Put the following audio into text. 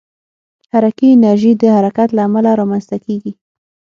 حرکي انرژي د حرکت له امله رامنځته کېږي.